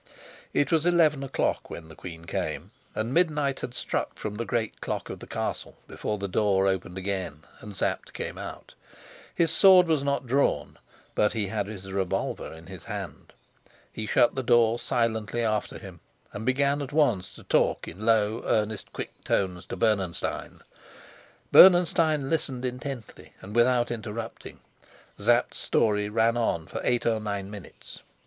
It was eleven o'clock when the queen came, and midnight had struck from the great clock of the castle before the door opened again and Sapt came out. His sword was not drawn, but he had his revolver in his hand. He shut the door silently after him and began at once to talk in low, earnest, quick tones to Bernenstein. Bernenstein listened intently and without interrupting. Sapt's story ran on for eight or nine minutes.